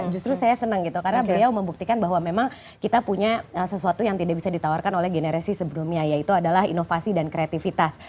justru saya senang gitu karena beliau membuktikan bahwa memang kita punya sesuatu yang tidak bisa ditawarkan oleh generasi sebelumnya yaitu adalah inovasi dan kreativitas